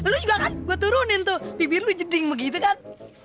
lo juga kan gua turunin tuh bibir lo jeding begitu kan